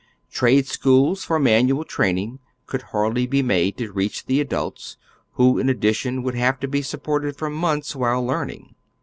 Trade schools for man ual training could hardly be made to reach the adults, who in addition would have to be supported for months while learning.